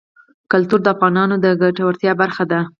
کلتور د افغانانو د ګټورتیا برخه ده.